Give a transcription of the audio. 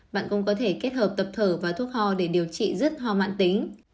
bạn cũng có thể kết hợp tập thở và thuốc ho để điều trị rứt ho mãn tính